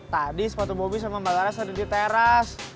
tadi sepatu bobi sama mbak laras ada di teras